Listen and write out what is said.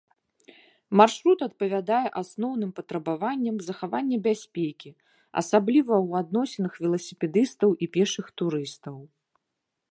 Маршрут адпавядае асноўным патрабаванням захавання бяспекі, асабліва ў адносінах веласіпедыстаў і пешых турыстаў.